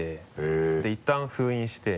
でいったん封印して。